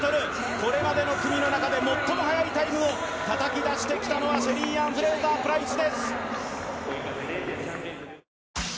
これまでの組の中で最も速いタイムをたたき出してきたのはシェリーアン・フレイザープライス。